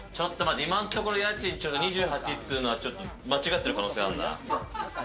今のところ家賃２８っていうのは間違っている可能性があるな。